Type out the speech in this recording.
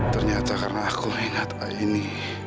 ternyata karena aku ingat aini